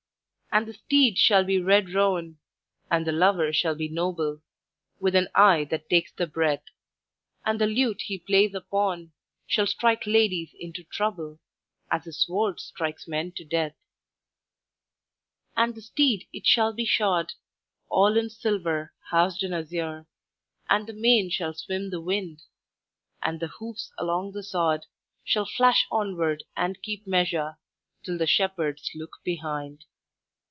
"And the steed shall be red roan, And the lover shall be noble, With an eye that takes the breath. And the lute he plays upon, Shall strike ladies into trouble, As his sword strikes men to death. "And the steed it shall be shod All in silver, housed in azure; And the mane shall swim the wind; And the hoofs along the sod Shall flash onward and keep measure, Till the shepherds look behind.